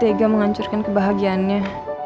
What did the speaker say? tiga menghancurkan kebahagiaannya